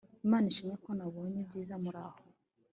imana ishimwe ko nabonye byiza muraho